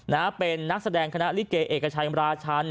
นะเป็นนักแสดงคณะลิเกเอกชัยราชัน